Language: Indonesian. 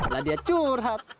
lah dia curhat